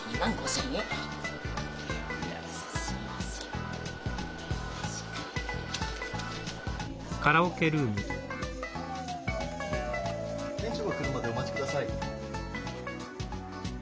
店長が来るまでお待ちください。